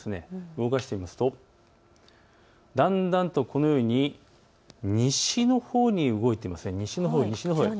動かしてみますとだんだんとこのように西のほうに動いています。